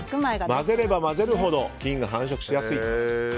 混ぜれば混ぜるほど菌が繁殖しやすいと。